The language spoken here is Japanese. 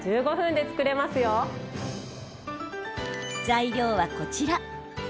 材料は、こちら。